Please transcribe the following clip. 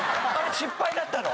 失敗だったの？